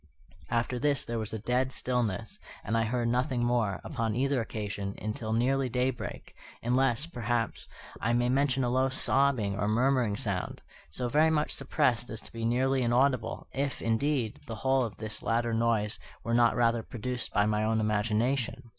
After this there was a dead stillness, and I heard nothing more, upon either occasion, until nearly daybreak; unless, perhaps, I may mention a low sobbing or murmuring sound, so very much suppressed as to be nearly inaudible, if, indeed, the whole of this latter noise were not rather produced by my own imagination.